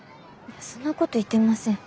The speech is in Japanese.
そんなこと言ってません。